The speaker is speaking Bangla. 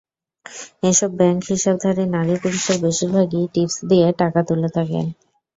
এসব ব্যাংক হিসাবধারী নারী-পুরুষের বেশির ভাগই টিপসই দিয়ে টাকা তুলে থাকেন।